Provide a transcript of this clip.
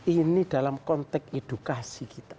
ini dalam konteks edukasi kita